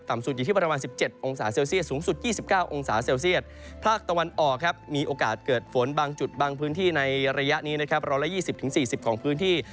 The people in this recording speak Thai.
สุดอยู่ที่ประมาณ๑๗องศาเซลเซียสสูงสุด๒๙องศาเซลเซียตภาคตะวันออกครับมีโอกาสเกิดฝนบางจุดบางพื้นที่ในระยะนี้นะครับ๑๒๐๔๐ของพื้นที่